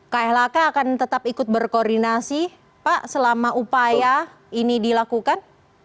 klhk akan tetap ikut berkoordinasi pak selama upaya ini dilakukan